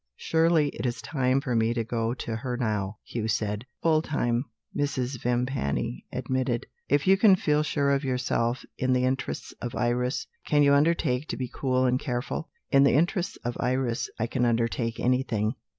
"Surely it is time for me to go to her now?" Hugh said. "Full time," Mrs. Vimpany admitted "if you can feel sure of yourself. In the interests of Iris, can you undertake to be cool and careful?" "In the interests of Iris, I can undertake anything."